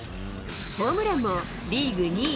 ホームランもリーグ２位